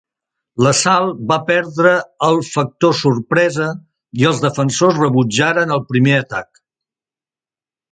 L'assalt va perdre el factor sorpresa i els defensors rebutjaren el primer atac.